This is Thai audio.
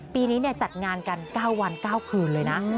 ปีนี้จัดงานกัน๙วัน๙คืนเลยนะ